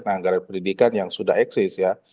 anggaran pendidikan yang sudah eksis ya